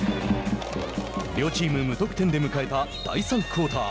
両チーム無得点で迎えた第３クオーター。